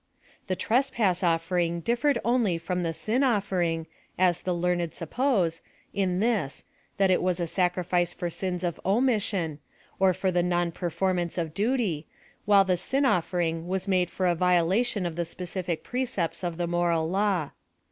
The trespass offering differed only from the sin offering, as the learned suppose, in this, that it was a sacrifice for sins of omission, or for the non perform ance of duty, while the sin offering was made for a violation of the specific precepts of the Moral Lmw.